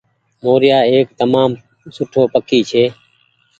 موريآ ايڪ تمآم سٺو پکي ڇي۔